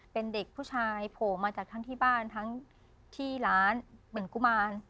เป็นเด็กผู้ชายโผล่มาจากทั้งที่บ้านทั้งที่ร้านเหมือนกุมาร